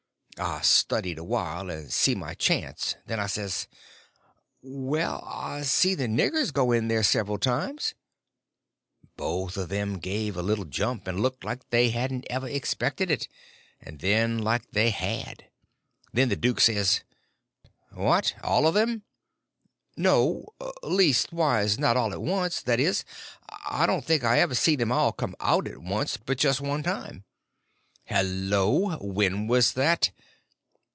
I studied awhile and see my chance; then I says: "Well, I see the niggers go in there several times." Both of them gave a little jump, and looked like they hadn't ever expected it, and then like they had. Then the duke says: "What, all of them?" "No—leastways, not all at once—that is, I don't think I ever see them all come out at once but just one time." "Hello! When was that?"